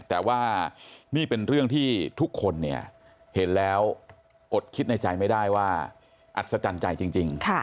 แต่ว่านี่เป็นเรื่องที่ทุกคนเนี่ยเห็นแล้วอดคิดในใจไม่ได้ว่าอัศจรรย์ใจจริง